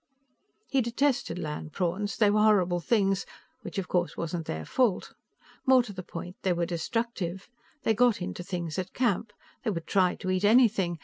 He detested land prawns. They were horrible things, which, of course, wasn't their fault. More to the point, they were destructive. They got into things at camp; they would try to eat anything.